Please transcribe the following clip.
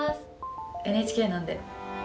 ＮＨＫなんで。